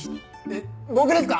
えっ僕ですか？